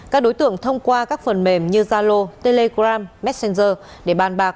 các đối tượng thông qua các phần mềm như zalo telegram messenger để bàn bạc